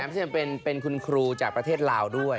ซึ่งเป็นคุณครูจากประเทศลาวด้วย